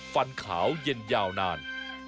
ฟันขาวเย็นยาวนาน